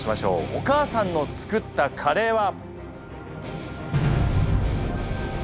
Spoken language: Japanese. お母さんの作ったカレーは。